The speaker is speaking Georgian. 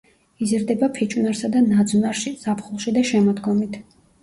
იზრდება ფიჭვნარსა და ნაძვნარში ზაფხულში და შემოდგომით.